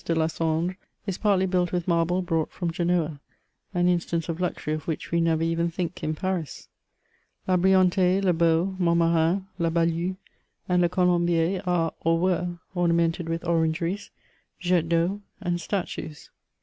de Lasandre, is partly built irith marble brought from Genoa, an instance of luxury of which we never even think in Paris. La Brillantais, Le Beau, Mont Marin, La Ballue, and Le Colombier are, or were, ornamented with orangeries, jets d'eau, and statues.